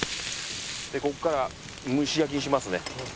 ここから蒸し焼きにしますね。